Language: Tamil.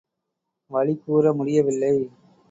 வழி கூற முடியவில்லை.